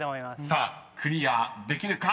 ［さあクリアできるか？